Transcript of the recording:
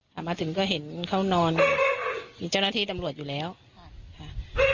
มาถึงก็เห็นเขานอนมีเจ้าหน้าที่ตำรวจอยู่แล้วค่ะ